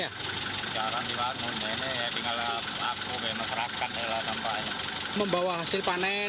ya itu lempar hati lah